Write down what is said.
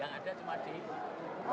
yang ada cuma di